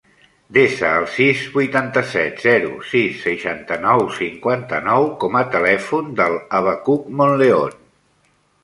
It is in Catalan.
Desa el sis, vuitanta-set, zero, sis, seixanta-nou, cinquanta-nou com a telèfon del Abacuc Monleon.